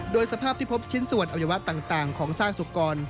โดยสภาพที่พบชิ้นส่วนอวัยวะต่างของซากสุกร